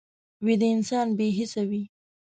ویده انسان بې حسه وي